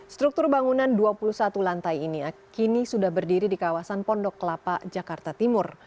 struktur bangunan dua puluh satu lantai ini kini sudah berdiri di kawasan pondok kelapa jakarta timur